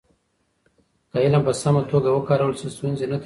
که علم په سمه توګه وکارول شي، ستونزې نه تکرارېږي.